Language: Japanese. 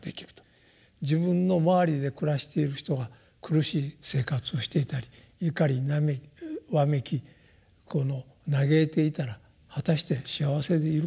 自分の周りで暮らしている人が苦しい生活をしていたり瞋りわめきこの嘆いていたら果たして幸せでいることができるのか。